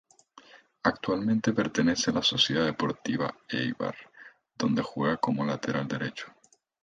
Actualmente pertenece a la Sociedad Deportiva Eibar, donde juega como lateral derecho.